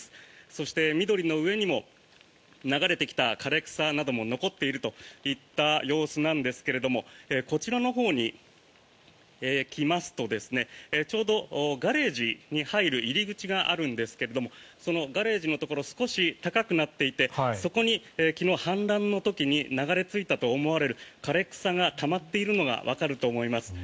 そして、緑の上にも流れてきた枯れ草なども残っているといった様子なんですけれどもこちらのほうに来ますとちょうどガレージに入る入り口があるんですがそのガレージのところ少し高くなっていてそこに昨日、氾濫の時に流れ着いたと思われる枯れ草がたまっているのがわかると思います。